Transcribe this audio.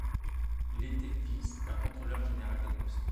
Il était fils d'un contrôleur général des Postes.